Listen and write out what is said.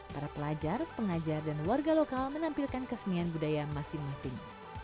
para pelajar pengajar dan warga lokal menampilkan kesenian budaya masing masing